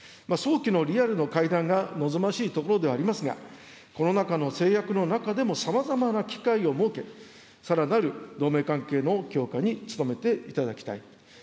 早期のリアルの会談が望ましいところではありますが、コロナ禍の制約の中でもさまざまな機会を設け、さらなる同盟関係の強化に努めていただきたい。